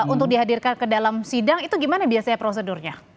untuk dihadirkan ke dalam sidang itu gimana biasanya prosedurnya